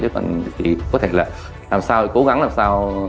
chứ còn thì có thể là làm sao cố gắng làm sao